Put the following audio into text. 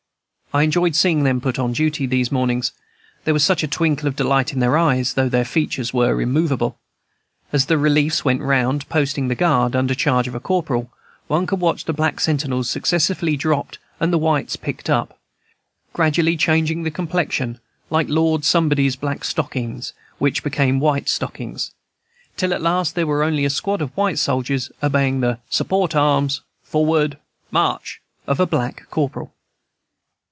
I enjoyed seeing them put on duty those mornings; there was such a twinkle of delight in their eyes, though their features were immovable. As the "reliefs" went round, posting the guard, under charge of a corporal, one could watch the black sentinels successively dropped and the whites picked up, gradually changing the complexion, like Lord Somebody's black stockings which became white stockings, till at last there was only a squad of white soldiers obeying the "Support Arms! Forward, March!" of a black corporal.